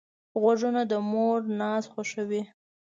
غوږونه د مور ناز خوښوي